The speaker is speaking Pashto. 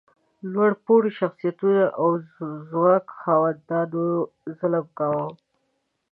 لوړ پوړو شخصیتونو او ځواک خاوندانو ظلم کاوه.